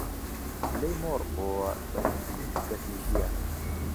لێی مۆڕ بۆوە بە توندی و بە تیژییە